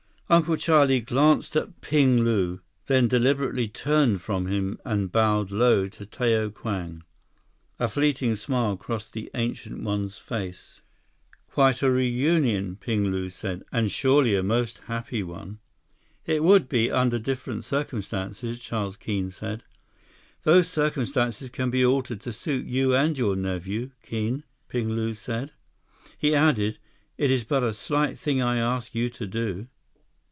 Uncle Charlie glanced at Ping Lu, then deliberately turned from him and bowed low to Tao Kwang. A fleeting smile crossed the Ancient One's face. 153 "Quite a reunion," Ping Lu said. "And surely a most happy one." "It would be, under different circumstances," Charles Keene said. "Those circumstances can be altered to suit you and your nephew, Keene," Ping Lu said. He added, "It is but a slight thing I ask you to do."